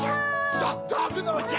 どくのじゃ！